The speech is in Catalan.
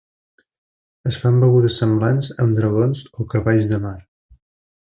Es fan begudes semblants amb dragons o cavalls de mar.